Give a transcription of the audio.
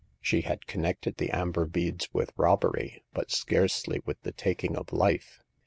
She had connected the amber beads with robbery, but scarcely with the taking of life.